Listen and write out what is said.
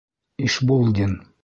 Ишбулдин!